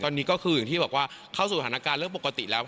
ตอนนี้ก็คืออย่างที่บอกว่าเข้าสู่สถานการณ์เรื่องปกติแล้ว